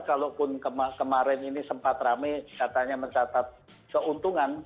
kalaupun kemarin ini sempat rame katanya mencatat keuntungan